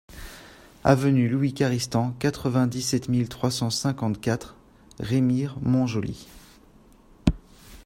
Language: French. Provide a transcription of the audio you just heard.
Avenue Louis Caristan, quatre-vingt-dix-sept mille trois cent cinquante-quatre Remire-Montjoly